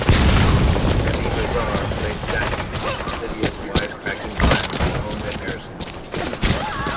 Debi Mazar played Jackie, Lydia's wise-cracking friend who owned a hair salon.